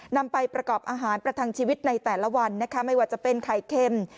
นำไปประกอบอาหารประทังชีวิตในแต่ละวันนะคะไม่ว่าจะเป็นไข่เค็ม